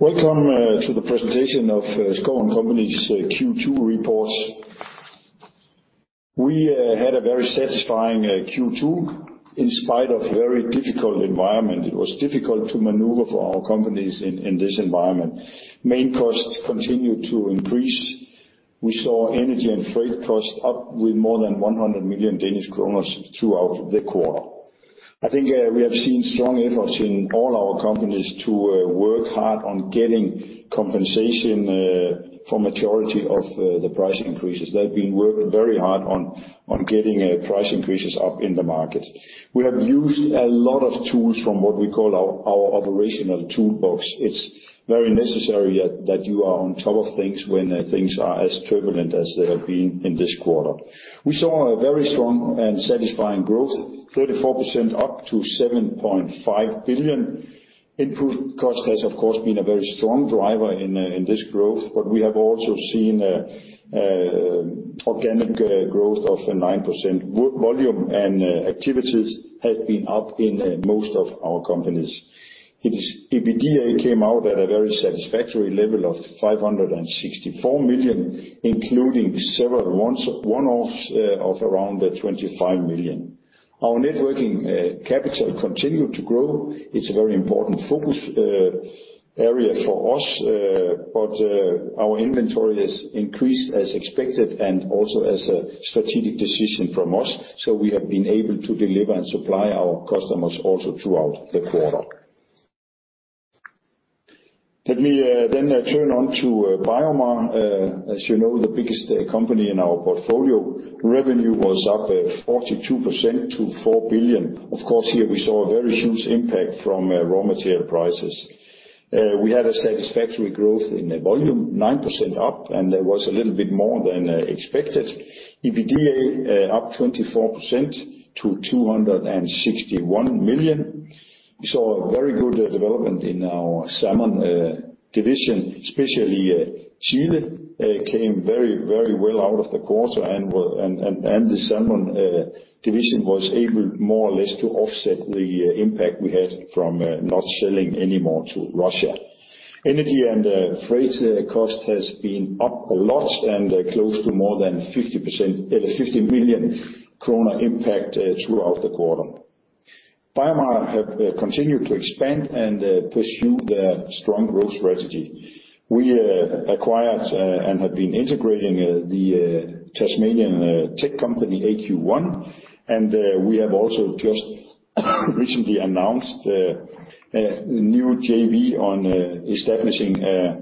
Welcome to the presentation of Schouw & Co.'s Q2 reports. We had a very satisfying Q2 in spite of very difficult environment. It was difficult to maneuver for our companies in this environment. Main costs continued to increase. We saw energy and freight costs up with more than 100 million Danish kroner throughout the quarter. I think we have seen strong efforts in all our companies to work hard on getting compensation for majority of the price increases. They've been working very hard on getting price increases up in the market. We have used a lot of tools from what we call our operational toolbox. It's very necessary that you are on top of things when things are as turbulent as they have been in this quarter. We saw a very strong and satisfying growth, 34% up to 7.5 billion. Improved cost has, of course, been a very strong driver in this growth. We have also seen organic growth of 9%. Volume and activities have been up in most of our companies. EBITDA came out at a very satisfactory level of 564 million, including several months one-offs of aroUnd 25 million. Our net working capital continued to grow. It's a very important focus area for us, but our inventory has increased as expected and also as a strategic decision from us, so we have been able to deliver and supply our customers also throughout the quarter. Let me turn to BioMar, as you know, the biggest company in our portfolio. Revenue was up 42% to 4 billion. Of course, here we saw a very huge impact from raw material prices. We had a satisfactory growth in the volume, 9% up, and there was a little bit more than expected. EBITDA up 24% to 261 million. We saw a very good development in our Salmon division, especially, Chile came very, very well out of the quarter and the Salmon division was able more or less to offset the impact we had from not selling any more to Russia. Energy and freight cost has been up a lot and close to more than 50%, 50 million kroner impact throughout the quarter. BioMar have continued to expand and pursue the strong growth strategy. We acquired and have been integrating the Tasmanian tech company AQ1, and we have also just recently announced a new JV on establishing a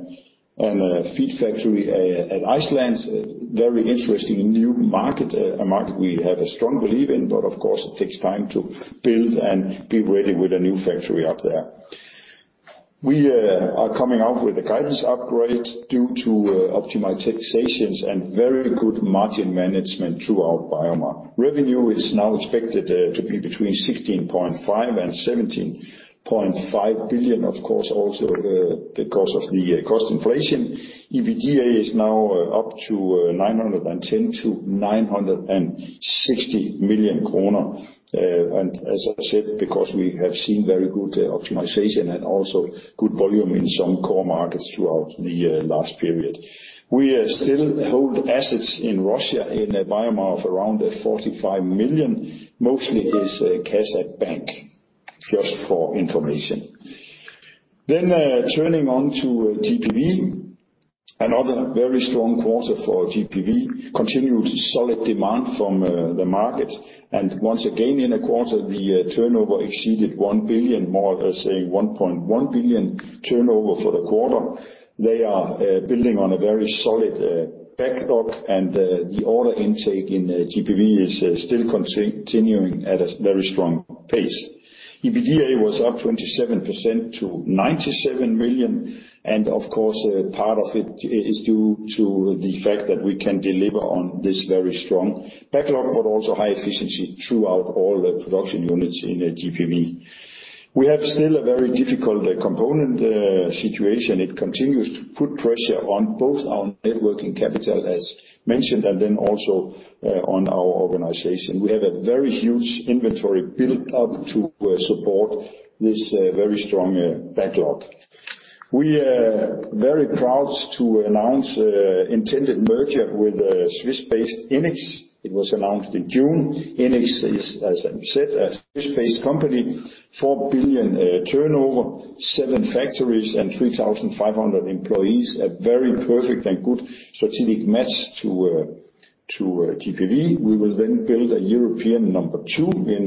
feed factory in Iceland, very interesting new market, a market we have a strong belief in, but of course it takes time to build and be ready with a new factory up there. We are coming out with a guidance upgrade due to optimizations and very good margin management throughout BioMar. Revenue is now expected to be between 16.5 billion and 17.5 billion, of course, also because of the cost inflation. EBITDA is now up to 910-960 million kroner, and as I said, because we have seen very good optimization and also good volume in some core markets throughout the last period. We still hold assets in Russia in BioMar of around 45 million, mostly cash at bank, just for information. Turning to GPV. Another very strong quarter for GPV. Continued solid demand from the market. Once again, in a quarter, the turnover exceeded 1 billion, more or less a 1.1 billion turnover for the quarter. They are building on a very solid backlog, and the order intake in GPV is still continuing at a very strong pace. EBITDA was up 27% to 97 million, and of course, part of it is due to the fact that we can deliver on this very strong backlog, but also high efficiency throughout all the production units in GPV. We have still a very difficult component situation. It continues to put pressure on both our net working capital, as mentioned, and then also on our organization. We have a very huge inventory built up to support this very strong backlog. We are very proud to announce intended merger with Swiss-based Enics. It was announced in June. Enics is, as I said, a Swiss-based company, 4 billion turnover, seven factories, and 3,500 employees, a very perfect and good strategic match to GPV. We will then build a European number two in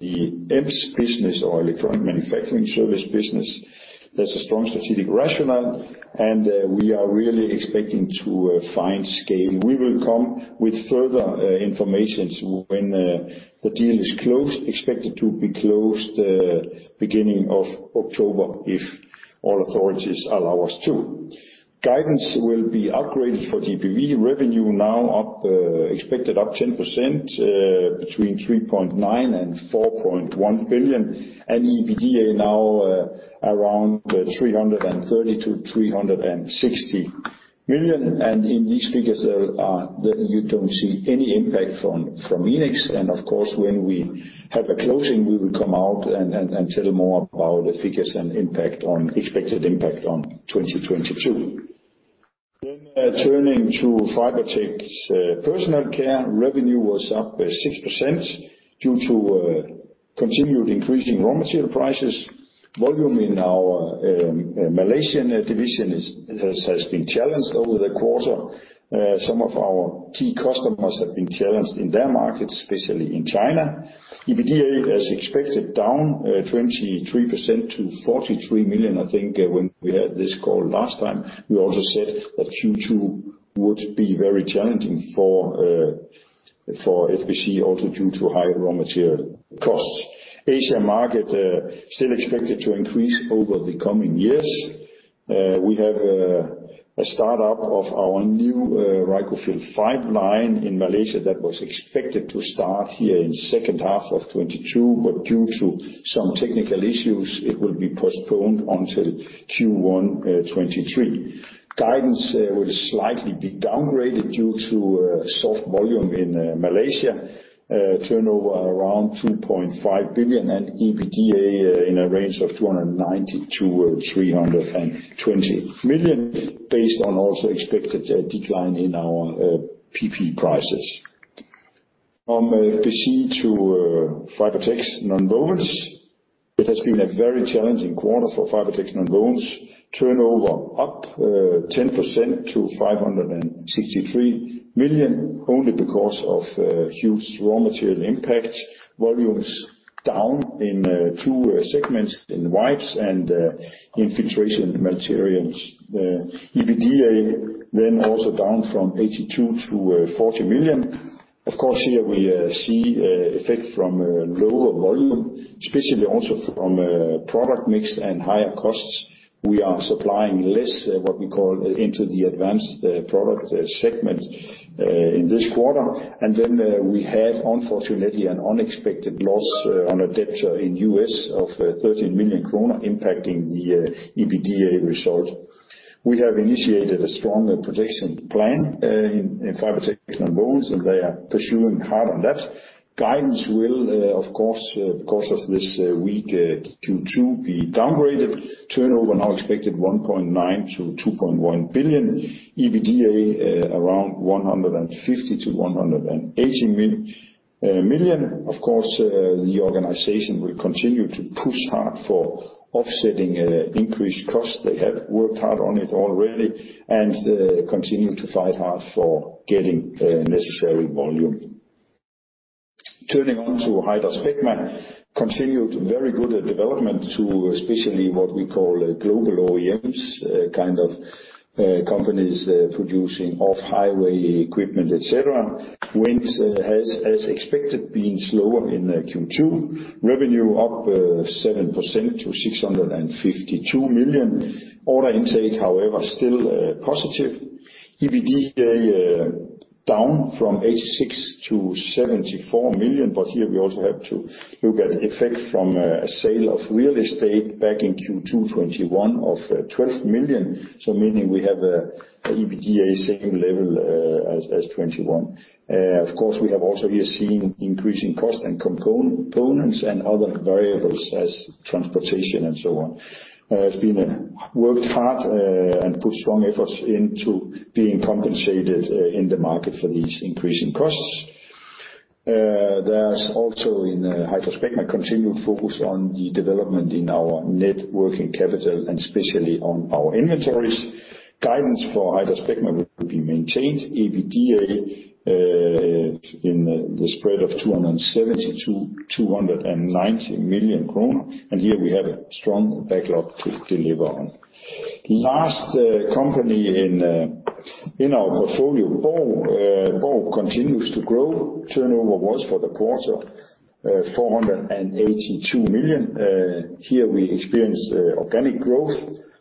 the EMS business or electronic manufacturing service business. There's a strong strategic rationale, and we are really expecting to find scale. We will come with further information when the deal is closed, expected to be closed beginning of October if all authorities allow us to. Guidance will be upgraded for GPV. Revenue now up expected up 10% between 3.9 billion-4.1 billion, and EBITDA now around 330 million-360 million, and in these figures there are that you don't see any impact from Enics. Of course, when we have a closing, we will come out and tell more about the figures and expected impact on 2022. Turning to Fibertex Personal Care. Revenue was up by 6% due to continued increasing raw material prices. Volume in our Malaysian division has been challenged over the quarter. Some of our key customers have been challenged in their markets, especially in China. EBITDA, as expected, down 23% to 43 million. I think when we had this call last time, we also said that Q2 would be very challenging for FPC also due to higher raw material costs. Asia market still expected to increase over the coming years. We have a start-up of our new Reicofil 5 line in Malaysia that was expected to start here in second half of 2022, but due to some technical issues, it will be postponed until Q1 2023. Guidance will slightly be downgraded due to soft volume in Malaysia. Turnover around 2.5 billion and EBITDA in a range of 290 million-320 million based on also expected decline in our PP prices. From FC to Fibertex Nonwovens. It has been a very challenging quarter for Fibertex Nonwovens. Turnover up 10% to 563 million, only because of huge raw material impact. Volumes down in two segments in wipes and filtration materials. EBITDA then also down from 82 million to 40 million. Of course, here we see effect from lower volume, especially also from product mix and higher costs. We are supplying less what we call into the advanced product segment in this quarter. We had unfortunately an unexpected loss on a debtor in U.S. of 13 million kroner impacting the EBITDA result. We have initiated a strong protection plan in Fibertex Nonwovens, and they are pursuing hard on that. Guidance will of course because of this weak Q2 be downgraded. Turnover now expected 1.9 billion-2.1 billion. EBITDA around 150 million-180 million. Of course, the organization will continue to push hard for offsetting increased costs. They have worked hard on it already and continue to fight hard for getting necessary volume. Turning to HydraSpecma, continued very good development especially to what we call global OEMs kind of companies producing off-highway equipment, et cetera, which has, as expected, been slower in Q2. Revenue up 7% to 652 million. Order intake, however, still positive. EBITDA down from 86 million to 74 million, but here we also have to look at effect from a sale of real estate back in Q2 2021 of 12 million, so meaning we have EBITDA same level as 2021. Of course, we have also here seen increasing cost and components and other variables as transportation and so on. It's been worked hard and put strong efforts into being compensated in the market for these increasing costs. There's also in HydraSpecma continued focus on the development in our net working capital and especially on our inventories. Guidance for HydraSpecma will be maintained. EBITDA in the spread of 270 million-290 million kroner, and here we have a strong backlog to deliver on. Last company in our portfolio, Borg Automotive. Borg Automotive continues to grow. Turnover was for the quarter 482 million. Here we experienced organic growth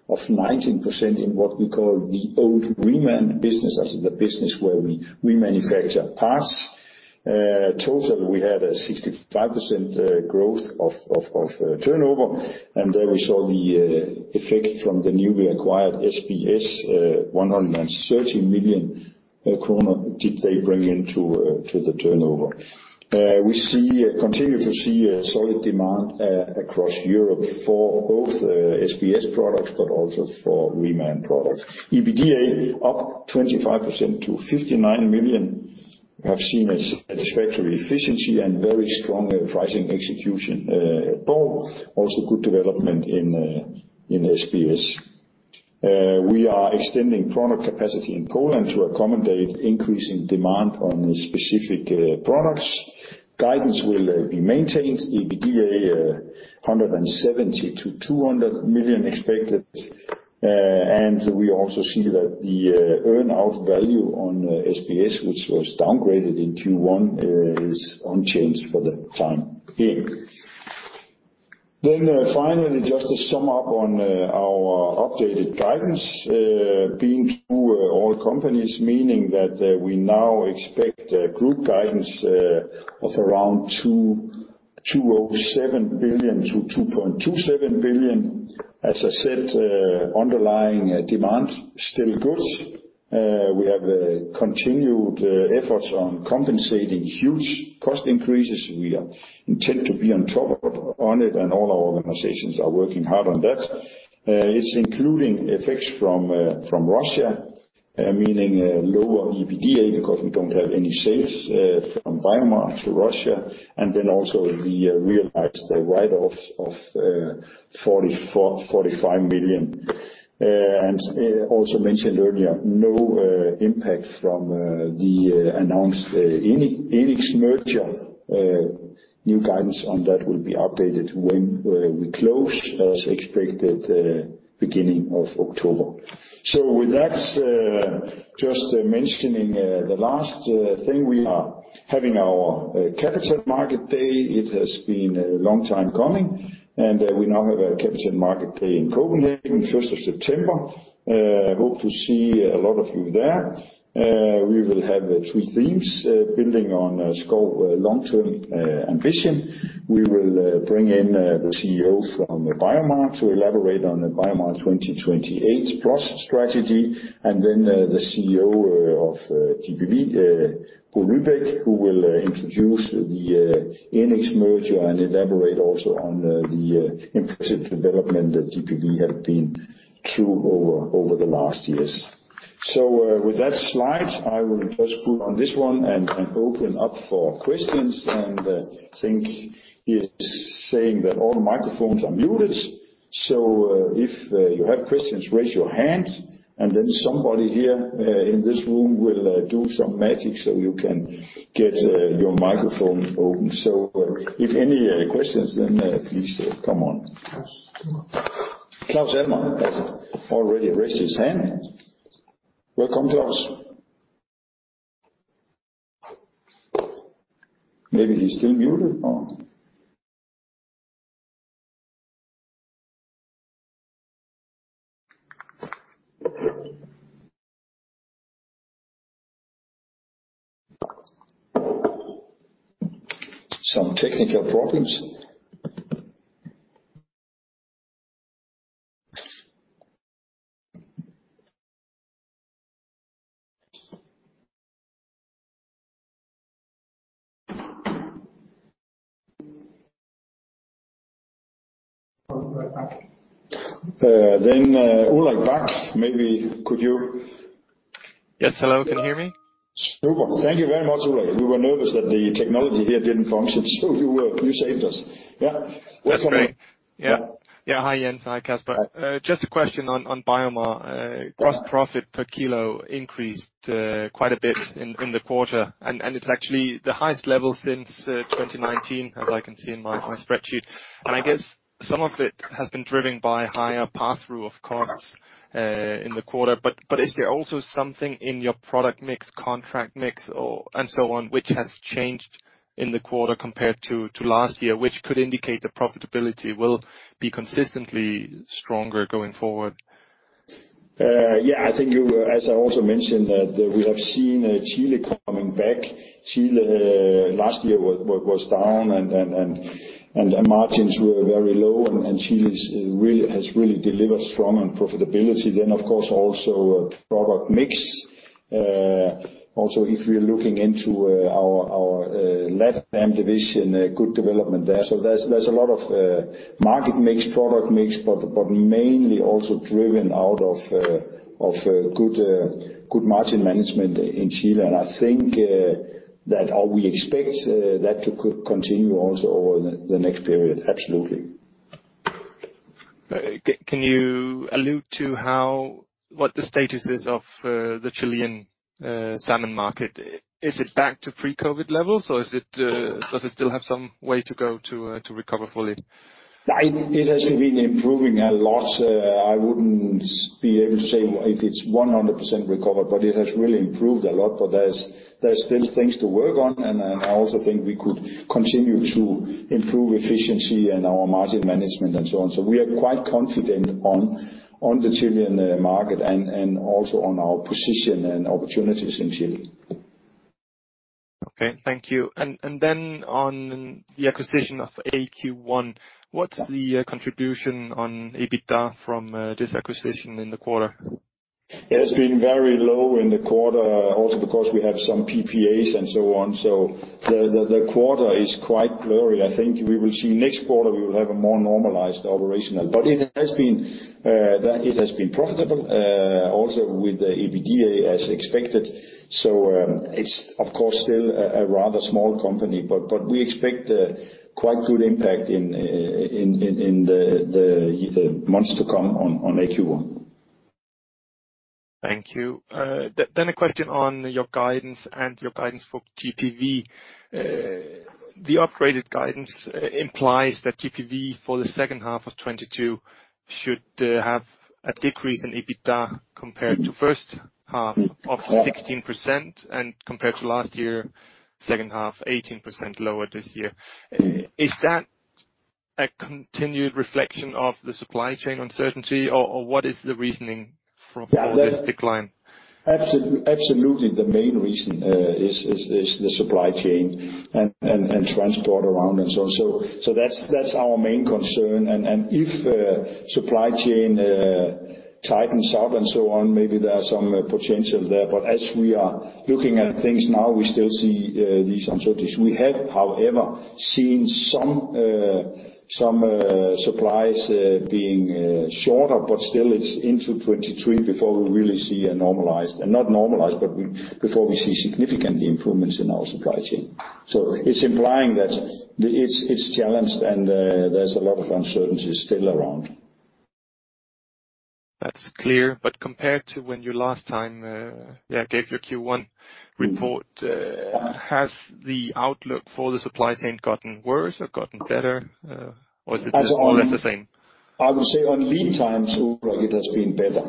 of 19% in what we call the old Reman business, that's the business where we remanufacture parts. Total, we had a 65% growth of turnover, and there we saw the effect from the newly acquired SBS, 113 million kroner did they bring into the turnover. We continue to see a solid demand across Europe for both SBS products, but also for Reman products. EBITDA up 25% to 59 million. We have seen a satisfactory efficiency and very strong pricing execution at Borg. Also good development in SBS. We are extending product capacity in Poland to accommodate increasing demand on specific products. Guidance will be maintained. EBITDA 170 million-200 million expected. We also see that the earn-out value on SBS, which was downgraded in Q1, is unchanged for the time being. Finally, just to sum up on our updated guidance, been through all companies, meaning that we now expect group guidance of around 2.07 billion-2.27 billion. As I said, underlying demand still good. We have continued efforts on compensating huge cost increases. We intend to be on top of it, and all our organizations are working hard on that. It's including effects from Russia, meaning lower EBITDA because we don't have any sales from BioMar to Russia. Then also we realized a write-off of 44 million-45 million. Also mentioned earlier, no impact from the announced Enics merger. New guidance on that will be updated when we close as expected, beginning of October. With that, just mentioning the last thing, we are having our capital market day. It has been a long time coming, and we now have a capital market day in Copenhagen, first of September. Hope to see a lot of you there. We will have three themes, building on Schouw long-term ambition. We will bring in the Chief Executive Officer from BioMar to elaborate on the BioMar 2028+ strategy. Then the Chief Executive Officer of GPV, Bo Lybæk, who will introduce the Enics merger and elaborate also on the impressive development that GPV have been through over the last years. With that slide, I will just put on this one and open up for questions. I think he is saying that all microphones are muted. If you have questions, raise your hand, and then somebody here in this room will do some magic, so you can get your microphone open. If any questions, then please come on. Claus Almer has already raised his hand. Welcome, Claus. Maybe he's still muted. Or some technical problems. Ulrik Bak, maybe could you- Yes, hello, can you hear me? Super. Thank you very much, Ulrik. We were nervous that the technology here didn't function, so you saved us. Yeah. That's great. Yeah. Hi, Jens. Hi, Kasper. Just a question on BioMar. Gross profit per kilo increased quite a bit in the quarter, and it's actually the highest level since 2019, as I can see in my spreadsheet. I guess some of it has been driven by higher pass-through of costs in the quarter. Is there also something in your product mix, contract mix or so on, which has changed in the quarter compared to last year, which could indicate the profitability will be consistently stronger going forward? Yeah, I think, as I also mentioned, that we have seen Chile coming back. Chile last year was down and margins were very low, and Chile has really delivered strong on profitability. Then of course, also product mix. Also, if we're looking into our LatAm division, good development there. There's a lot of market mix, product mix, but mainly also driven out of good margin management in Chile. I think that, or we expect that to continue also over the next period. Absolutely. Can you allude to what the status is of the Chilean salmon market? Is it back to pre-COVID levels, or does it still have some way to go to recover fully? It has been improving a lot. I wouldn't be able to say if it's 100% recovered, but it has really improved a lot. There's still things to work on. I also think we could continue to improve efficiency and our margin management and so on. We are quite confident on the Chilean market and also on our position and opportunities in Chile. Okay, thank you. On the acquisition of AQ1, what's the contribution on EBITDA from this acquisition in the quarter? It has been very low in the quarter, also because we have some PPAs and so on. The quarter is quite blurry. I think we will see next quarter we will have a more normalized operational. It has been profitable, also with the EBITDA as expected. It's of course still a rather small company, but we expect quite good impact in the months to come on AQ1. Thank you. A question on your guidance for GPV. The upgraded guidance implies that GPV, for the second half of 2022, should have a decrease in EBITDA compared to first half of 16%, and compared to last year, second half, 18% lower this year. Is that a continued reflection of the supply chain uncertainty or what is the reasoning for this decline? Absolutely. The main reason is the supply chain and transport around and so on. That's our main concern. If supply chain tightens up and so on, maybe there are some potential there. As we are looking at things now, we still see these uncertainties. We have, however, seen some supplies being shorter, but still it's into 2023 before we really see significant improvements in our supply chain. It's implying that it's challenged and there's a lot of uncertainty still around. That's clear. Compared to when you last time gave your Q1 report, has the outlook for the supply chain gotten worse or gotten better? Or is it more or less the same? I would say on lead times, Ulrik, it has been better.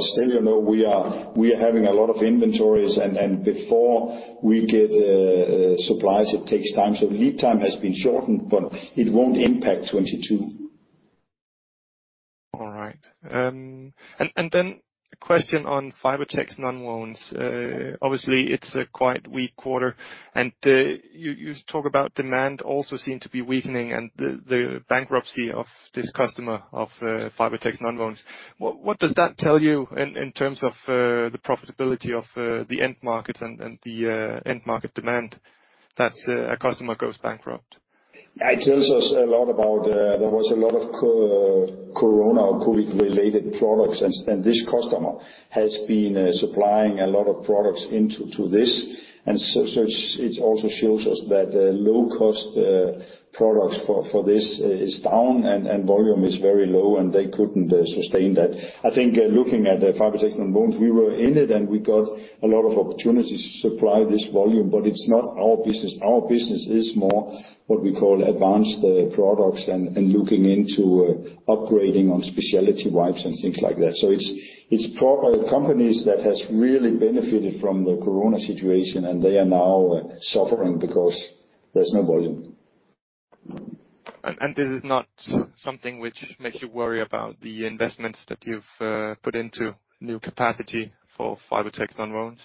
Still, you know, we are having a lot of inventories, and before we get supplies, it takes time. Lead time has been shortened, but it won't impact 2022. All right. A question on Fibertex Nonwovens. Obviously, it's a quite weak quarter, and you talk about demand also seem to be weakening and the bankruptcy of this customer of Fibertex Nonwovens. What does that tell you in terms of the profitability of the end markets and the end market demand that a customer goes bankrupt? It tells us a lot about. There was a lot of corona or COVID-related products, and this customer has been supplying a lot of products into this. It also shows us that the low-cost products for this is down and volume is very low, and they couldn't sustain that. I think looking at the Fibertex Nonwovens, we were in it, and we got a lot of opportunities to supply this volume, but it's not our business. Our business is more what we call advanced products and looking into upgrading on specialty wipes and things like that. It's companies that has really benefited from the corona situation, and they are now suffering because there's no volume. This is not something which makes you worry about the investments that you've put into new capacity for Fibertex Nonwovens?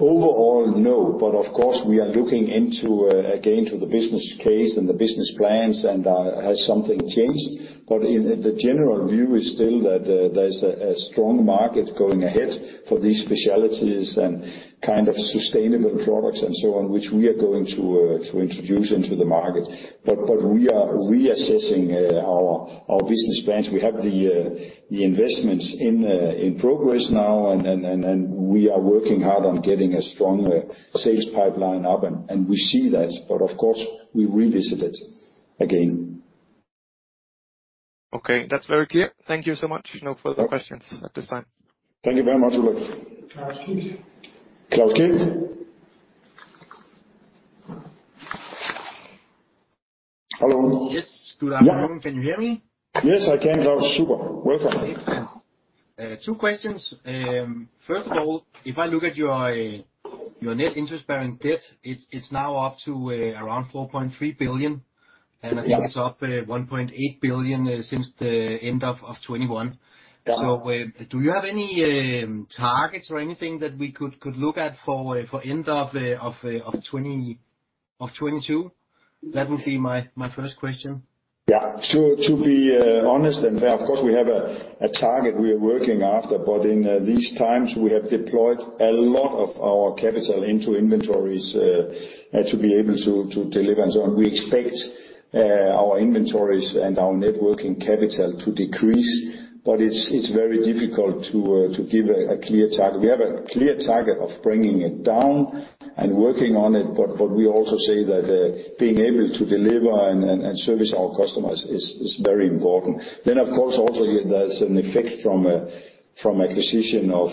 Overall, no. Of course, we are looking into again to the business case and the business plans and has something changed. The general view is still that there's a strong market going ahead for these specialties and kind of sustainable products and so on, which we are going to introduce into the market. We are reassessing our business plans. We have the investments in progress now, and we are working hard on getting a strong sales pipeline up, and we see that, of course, we revisit it again. Okay. That's very clear. Thank you so much. No further questions at this time. Thank you very much, Ulrik. Claus Kyed. Claus Kyed. Hello. Yes. Good afternoon. Yeah. Can you hear me? Yes, I can, Claus. Super. Welcome. Excellent. Two questions. First of all, if I look at your net interest-bearing debt, it's now up to around 4.3 billion. Yeah. I think it's up 1.8 billion since the end of 2021. Yeah. Do you have any targets or anything that we could look at for end of 2022? That would be my first question. Yeah. To be honest and fair, of course, we have a target we are working after, but in these times, we have deployed a lot of our capital into inventories to be able to deliver and so on. We expect our inventories and our net working capital to decrease, but it's very difficult to give a clear target. We have a clear target of bringing it down and working on it, but we also say that being able to deliver and service our customers is very important. Of course, also there's an effect from acquisition of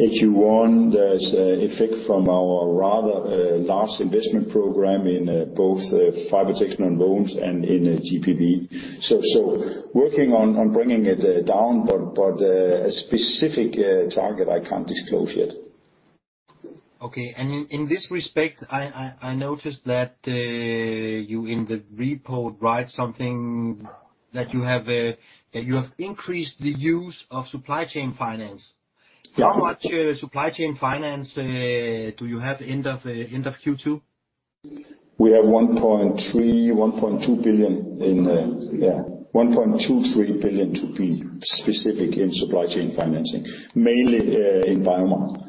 AQ1. There's effect from our rather large investment program in both Fibertex Nonwovens and in GPV. Working on bringing it down, but a specific target I can't disclose yet. Okay. In this respect, I noticed that you in the report write something that you have increased the use of supply chain finance. Yeah. How much supply chain finance do you have end of Q2? We have 1.23 billion to be specific in supply chain financing, mainly, in BioMar.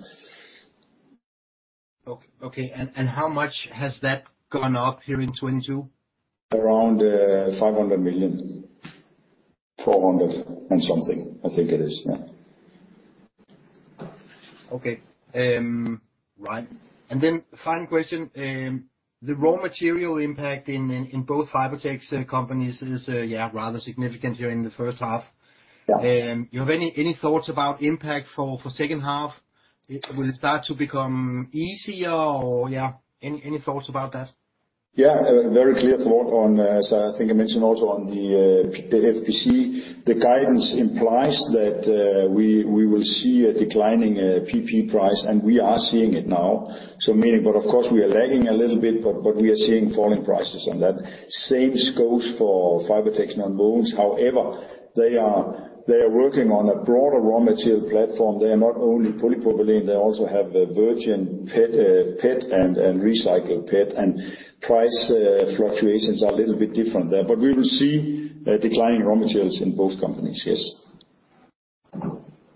Okay, how much has that gone up here in 2022? Around 500 million. 400 million-something, I think it is. Yeah. Final question. The raw material impact in both Fibertex companies is rather significant during the first half. Yeah. You have any thoughts about impact for second half? Will it start to become easier or, yeah, any thoughts about that? Yeah, a very clear thought on, as I think I mentioned also on the FPC. The guidance implies that we will see a declining PP price, and we are seeing it now. Meaning, but of course we are lagging a little bit, but we are seeing falling prices on that. Same goes for Fibertex Nonwovens. However, they are working on a broader raw material platform. They are not only polypropylene, they also have a virgin PET and recycled PET. Price fluctuations are a little bit different there. We will see a declining raw materials in both companies, yes.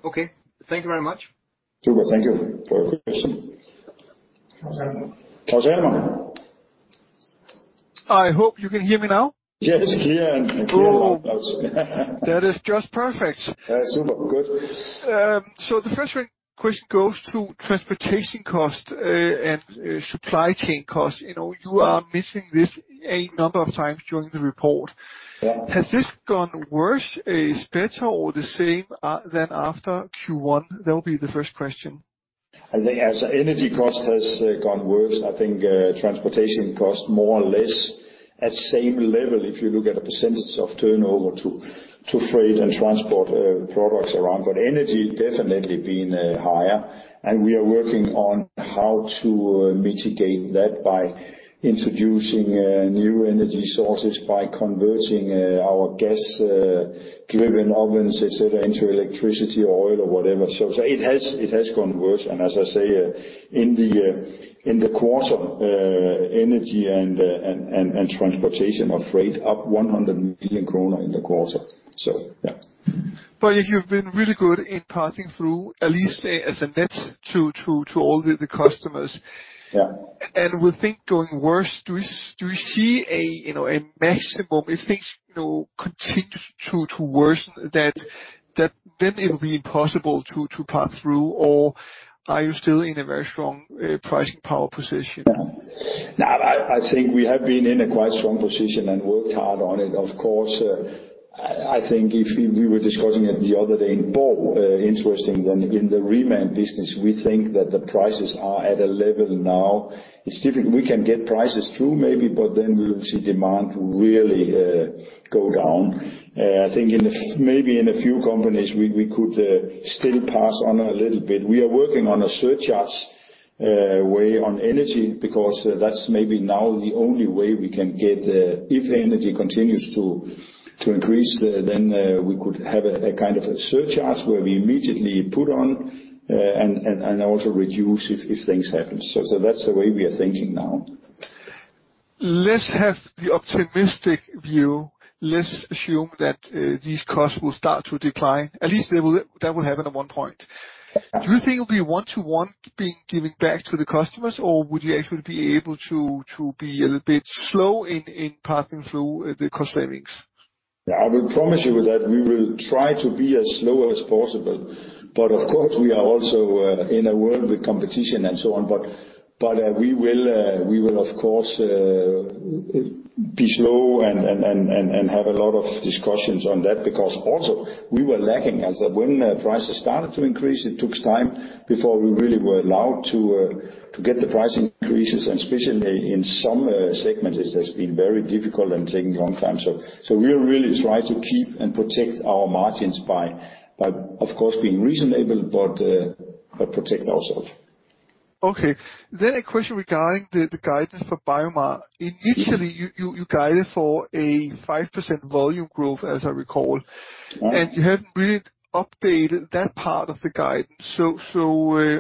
Okay. Thank you very much. Super. Thank you for your question. Claus Almer. Claus Almer. I hope you can hear me now. Yes, clear and clear. Oh. That is just perfect. Yeah. Super good. The first one question goes to transportation costs and supply chain costs. You know, you are missing this a number of times during the report. Yeah. Has this gone worse, better, or the same, than after Q1? That would be the first question. I think as energy cost has gone worse. I think transportation costs more or less at same level, if you look at a percentage of turnover to freight and transport products around. But energy definitely been higher, and we are working on how to mitigate that by introducing new energy sources, by converting our gas driven ovens, et cetera, into electricity, oil or whatever. So it has gone worse. As I say, in the quarter, energy and transportation or freight up 100 million kroner in the quarter. So, yeah. If you've been really good in passing through, at least, as a net to all the customers. Yeah. With things going worse, do you see a, you know, a maximum if things, you know, continue to worsen that then it will be impossible to pass through? Or are you still in a very strong pricing power position? No, I think we have been in a quite strong position and worked hard on it, of course. I think we were discussing it the other day in Borg, interesting in the reman business, we think that the prices are at a level now. It's difficult. We can get prices through maybe, but then we'll see demand really go down. I think maybe in a few companies, we could still pass on a little bit. We are working on a surcharge way on energy because that's maybe now the only way we can get. If energy continues to increase, then we could have a kind of a surcharge where we immediately put on and also reduce if things happen. So that's the way we are thinking now. Let's have the optimistic view. Let's assume that, these costs will start to decline. That will happen at one point. Do you think it'll be one to one being given back to the customers, or would you actually be able to be a little bit slow in passing through the cost savings? Yeah, I will promise you that we will try to be as slow as possible. Of course, we are also in a world with competition and so on. We will of course be slow and have a lot of discussions on that because also we were lagging. As when prices started to increase, it took time before we really were allowed to get the price increases, and especially in some segments, it has been very difficult and taking a long time. We will really try to keep and protect our margins by of course being reasonable, but protect ourselves. Okay. A question regarding the guidance for BioMar. Initially, you guided for a 5% volume growth, as I recall. Yeah. You haven't really updated that part of the guidance.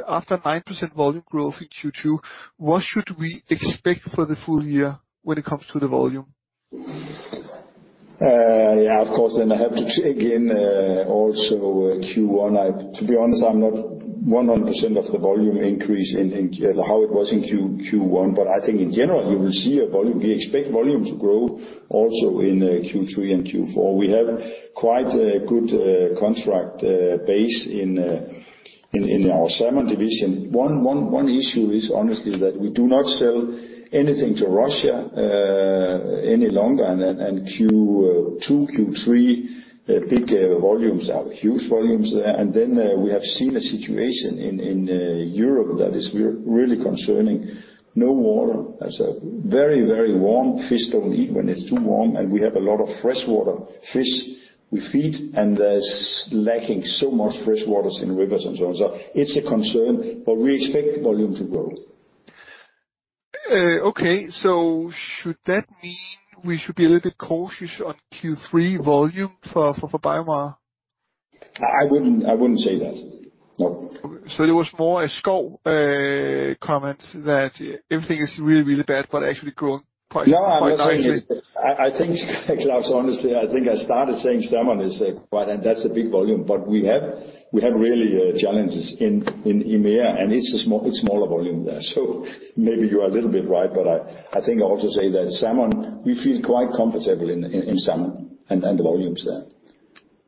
After 9% volume growth in Q2, what should we expect for the full year when it comes to the volume? Yeah, of course, I have to again also Q1. To be honest, I'm not 100% of the volume increase in how it was in Q1, but I think in general, you will see a volume. We expect volume to grow also in Q3 and Q4. We have quite a good contract base in our Salmon division. One issue is honestly that we do not sell anything to Russia any longer. And Q2, Q3, big volumes are huge volumes there. We have seen a situation in Europe that is really concerning. No water. It's very warm. Fish don't eat when it's too warm, and we have a lot of freshwater fish we feed, and there's lacking so much freshwater in rivers and so on. It's a concern, but we expect volume to grow. Okay. Should that mean we should be a little bit cautious on Q3 volume for BioMar? I wouldn't say that. No. It was more a Schouw comment that everything is really bad, but actually growing quite nicely. No, I'm not saying it's. I think, Claus, honestly, I think I started saying Salmon is quite, and that's a big volume. We have really challenges in EMEA, and it's smaller volume there. Maybe you are a little bit right, but I think I also say that Salmon, we feel quite comfortable in Salmon and the volumes there.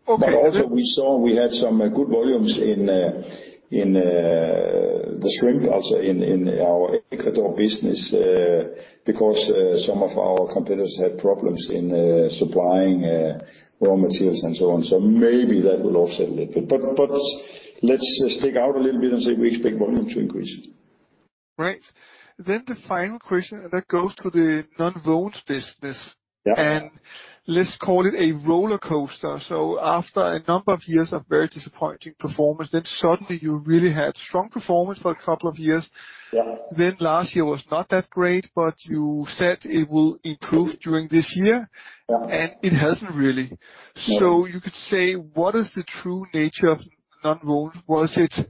Okay. Also we saw we had some good volumes in the shrimp also in our Ecuador business, because some of our competitors had problems in supplying raw materials and so on. Maybe that will also a little bit. Let's stick out a little bit and say we expect volume to increase. Right. The final question that goes to the nonwovens business. Yeah. Let's call it a roller coaster. After a number of years of very disappointing performance, then suddenly you really had strong performance for a couple of years. Yeah. Last year was not that great, but you said it will improve during this year. Yeah. It hasn't really. Yeah. You could say, what is the true nature of nonwoven? Was it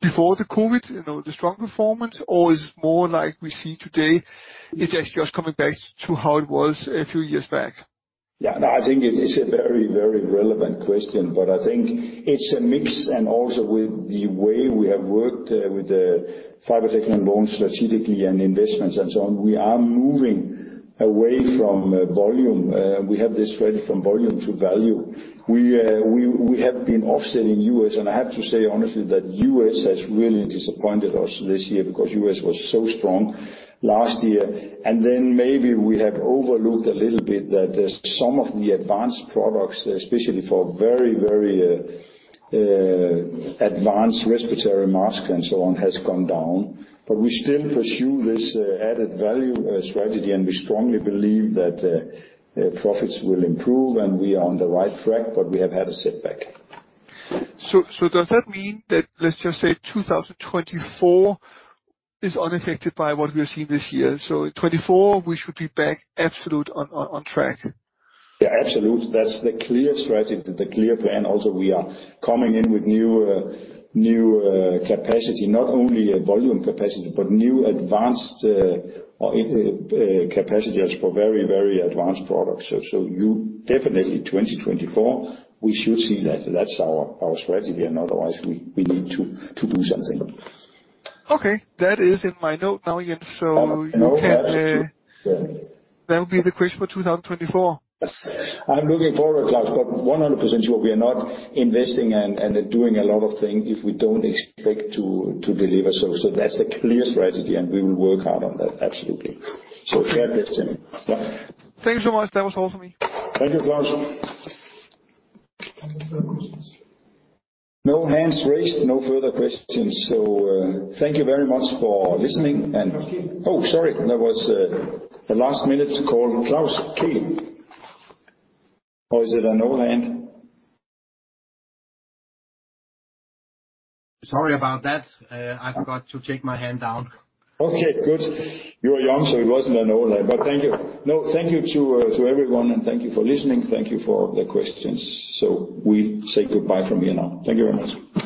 before the COVID? You know, the strong performance or is it more like we see today? It's just coming back to how it was a few years back. Yeah. No, I think it is a very relevant question, but I think it's a mix and also with the way we have worked with the Fibertex Nonwovens strategically and investments and so on. We are moving away from volume. We have this strategy from volume to value. We have been offsetting U.S. I have to say honestly that U.S. has really disappointed us this year because U.S. was so strong last year. Then maybe we have overlooked a little bit that there's some of the advanced products, especially for very advanced respiratory mask and so on, has gone down. We still pursue this added value strategy, and we strongly believe that profits will improve and we are on the right track, but we have had a setback. Does that mean that, let's just say 2024 is unaffected by what we are seeing this year? In 2024 we should be back absolutely on track. Yeah, absolutely. That's the clear strategy, the clear plan. Also, we are coming in with new capacity, not only volume capacity, but new advanced capacity for very advanced products. So you definitely 2024, we should see that. That's our strategy, and otherwise we need to do something. Okay. That is in my note now, Jens. You can- No, that is true. Certainly. That'll be the question for 2024. I'm looking forward, Claus, but 100% sure we are not investing and doing a lot of things if we don't expect to deliver. That's a clear strategy, and we will work hard on that. Absolutely. Fair question. Yeah. Thank you so much. That was all for me. Thank you, Claus. No hands raised, no further questions. Thank you very much for listening and- Claus Kyed. Oh, sorry. There was a last-minute call. Claus Kyed. Or is it a Claus Noland? Sorry about that. I forgot to take my hand down. Okay, good. You are young, so it wasn't a no-land. Thank you. No, thank you to everyone, and thank you for listening. Thank you for the questions. We say goodbye from here now. Thank you very much.